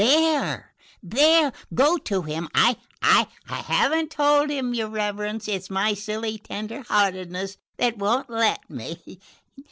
There, there, go to him. I haven't told him, your reverence; it's my silly tender heartedness that won't let me.